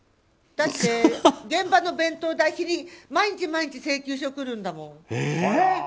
だって現場の弁当代毎日毎日請求書が来るんだもん。